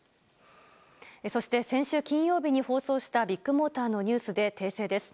そして先週金曜日に放送したビッグモーターのニュースで訂正です。